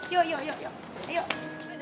yuk yuk yuk yuk